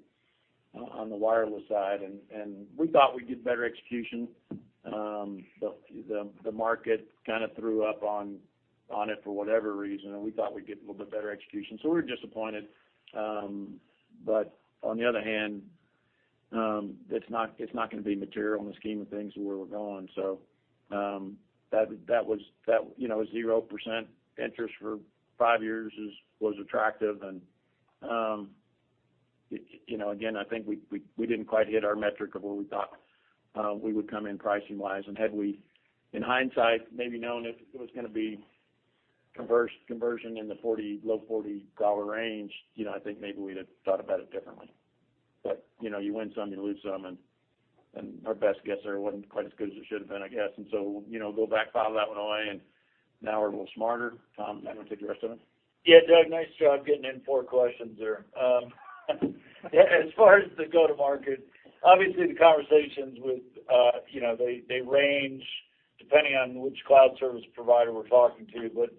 on the wireless side. We thought we'd get better execution, but the market kind of threw up on it for whatever reason, and we thought we'd get a little bit better execution, so we were disappointed. On the other hand, it's not gonna be material in the scheme of things where we're going. That, you know, 0% interest for five years is, was attractive and, it, you know, again, I think we didn't quite hit our metric of where we thought we would come in pricing-wise. Had we, in hindsight, maybe known it was gonna be conversion in the $40-low $40 range, you know, I think maybe we'd have thought about it differently. You know, you win some, you lose some, and our best guess there wasn't quite as good as it should have been, I guess. You know, go back, file that one away, and now we're a little smarter. Tom, why don't you take the rest of it? Yeah, Doug, nice job getting in four questions there. Yeah, as far as the go-to-market, obviously the conversations with, you know, they range depending on which cloud service provider we're talking to, but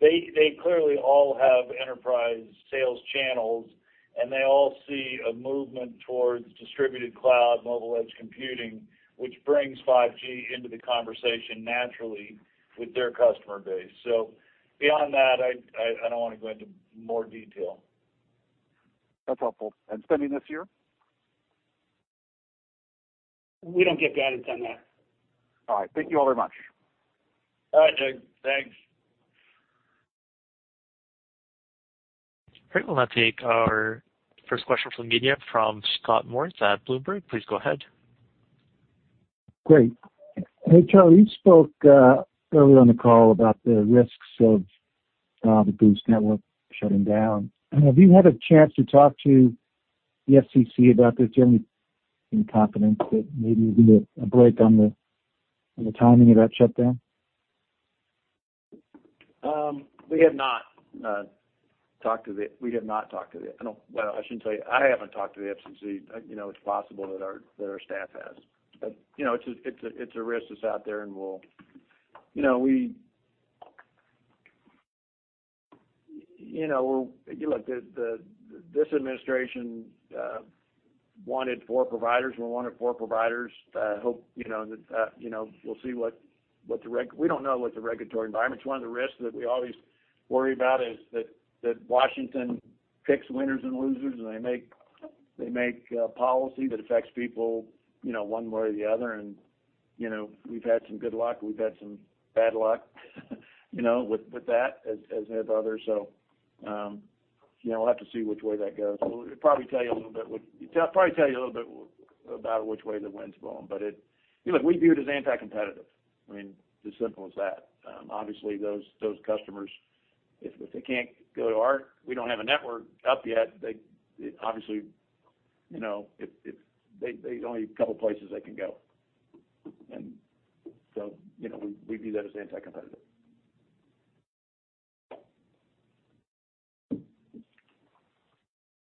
they clearly all have enterprise sales channels, and they all see a movement towards distributed cloud, mobile edge computing, which brings 5G into the conversation naturally with their customer base. Beyond that, I don't wanna go into more detail. That's helpful. Spending this year? We don't give guidance on that. All right. Thank you all very much. All right, Doug. Thanks. Great. We'll now take our first question from the media from Scott Moritz at Bloomberg. Please go ahead. Great. Hey, Charlie, you spoke earlier on the call about the risks of the Boost network shutting down. Have you had a chance to talk to the FCC about this? Do you have any confidence that maybe you can get a break on the timing of that shutdown? I shouldn't tell you I haven't talked to the FCC. You know, it's possible that our staff has. You know, it's a risk that's out there and look, this administration wanted four providers. We wanted four providers. I hope you know that, you know, we'll see. We don't know what the regulatory environment. It's one of the risks that we always worry about, is that Washington picks winners and losers, and they make policy that affects people, you know, one way or the other. You know, we've had some good luck, we've had some bad luck, you know, with that as have others. You know, we'll have to see which way that goes. We'll probably tell you a little bit about which way the wind's blowing. Look, we view it as anti-competitive. I mean, it's as simple as that. Obviously, those customers, if they can't go to our. We don't have a network up yet. There's only a couple places they can go. You know, we view that as anti-competitive.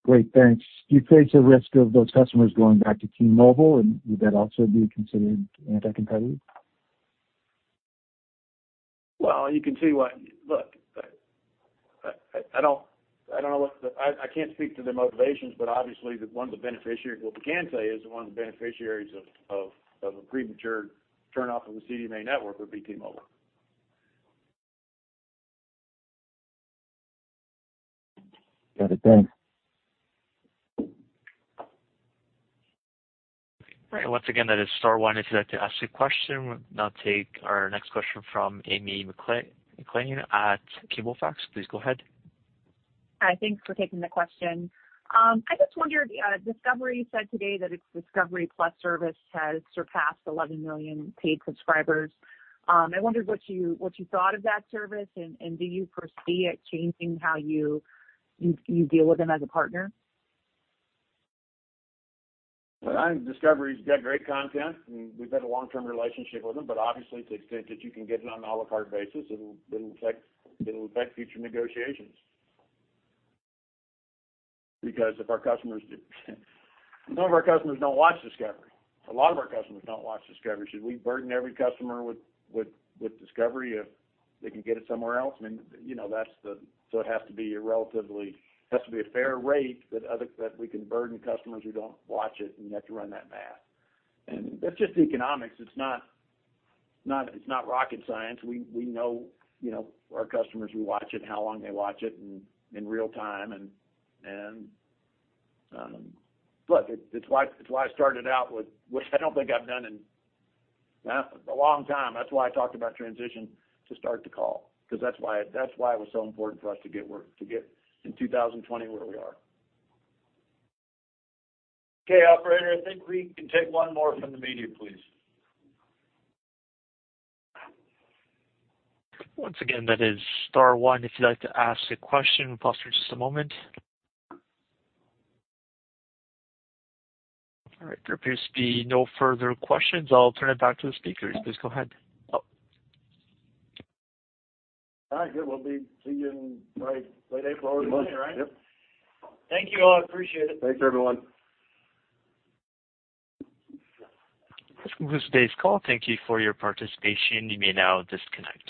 Great, thanks. Do you face a risk of those customers going back to T-Mobile, and would that also be considered anti-competitive? Well, I don't know what the I can't speak to their motivations, but obviously one of the beneficiaries. What we can say is one of the beneficiaries of a premature turn off of the CDMA network would be T-Mobile. Got it. Thanks. All right. Once again, that is star one if you'd like to ask a question. We'll now take our next question from Amy Maclean at Cablefax. Please go ahead. Hi. Thanks for taking the question. I just wondered, Discovery said today that its Discovery Plus service has surpassed 11 million paid subscribers. I wondered what you thought of that service, do you foresee it changing how you deal with them as a partner? Well, I think Discovery's got great content, and we've had a long-term relationship with them, but obviously to the extent that you can get it on an à la carte basis, it'll affect future negotiations. Some of our customers don't watch Discovery. A lot of our customers don't watch Discovery. Should we burden every customer with Discovery if they can get it somewhere else? I mean, you know, it has to be a fair rate that we can burden customers who don't watch it, and you have to run that math. That's just economics. It's not rocket science. We know, you know, our customers who watch it, and how long they watch it in real time. Look, it's why I started out with, which I don't think I've done in a long time. That's why I talked about transition to start the call, because that's why it was so important for us to get in 2020 where we are. Okay, operator, I think we can take one more from the media, please. Once again, that is star one if you'd like to ask a question. We'll pause for just a moment. All right, there appears to be no further questions. I'll turn it back to the speakers. Please go ahead. Alright. Good. We'll be seeing you in probably late April or May, right? Yep. Thank you all. Appreciate it. Thanks, everyone. That concludes today's call. Thank you for your participation. You may now disconnect.